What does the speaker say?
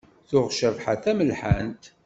Tuɣ Cabḥa d tamelḥant.